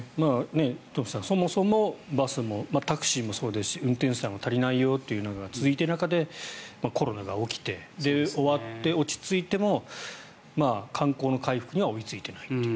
東輝さん、そもそもバスもタクシーもそうですし運転手さんも足りないよというのが続いた中でコロナが起きて終わって落ち着いても観光の回復には追いついていないという。